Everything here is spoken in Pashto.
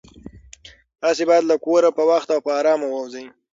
تاسو باید له کوره په وخت او په ارامه ووځئ.